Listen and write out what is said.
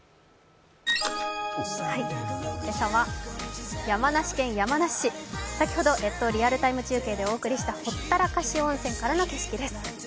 今朝は山梨県山梨市先ほどリアルタイム中継でお送りしたほったらかし温泉からの景色です。